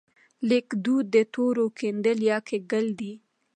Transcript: لیکدود د تورو کیندل یا کښل دي.